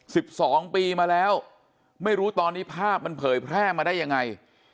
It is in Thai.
สิบสองปีมาแล้วไม่รู้ตอนนี้ภาพมันเผยแพร่มาได้ยังไง